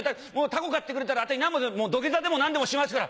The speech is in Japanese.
凧買ってくれたらあたい土下座でも何でもしますから。